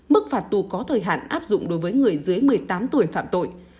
mức phạt tù có thời hạn áp dụng đối với người dưới một mươi tám tuổi phạm tội